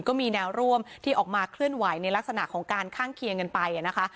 ก็มีแนวร่วมที่ออกมาเคลื่อนไหวในลักษณะของการข้างเคียงกันไปนะคะ